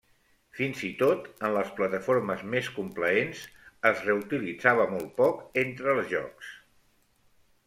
Fins i tot, en les plataformes més complaents, es reutilitzava molt poc entre els jocs.